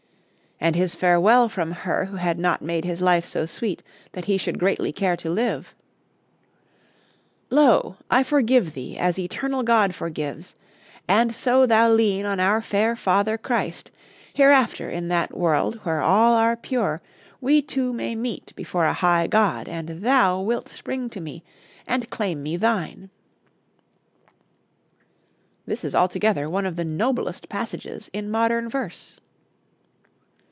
And his farewell from her who had not made his life so sweet that he should greatly care to live, "Lo! I forgive thee, as Eternal God Forgives: ... And so thou lean on our fair father Christ, Hereafter in that world where all are pure We two may meet before high God, and thou Wilt spring to me, and claim me thine," this is altogether one of the noblest passages in modern verse.